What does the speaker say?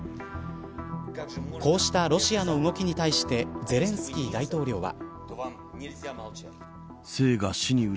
こうしたロシアの動きに対してゼレンスキー大統領は。